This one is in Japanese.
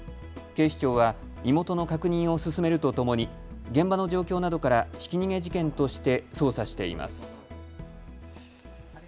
警視庁は身元の確認を進めるとともに現場の状況などからひき逃げ事件として捜査しています。